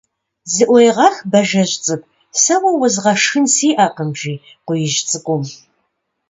Зыӏуегъэх, Бажэжь цӏыкӏу, сэ уэ уэзгъэшхын сиӏэкъым, - жи Къуиижь Цӏыкӏум.